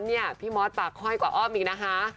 นี่พี่มอสปากห้อยกว่าอ้อมอีกนะคะ